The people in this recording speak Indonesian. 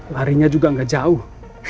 larinya juga gak jauh